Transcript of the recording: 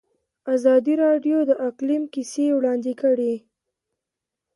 ازادي راډیو د اقلیم کیسې وړاندې کړي.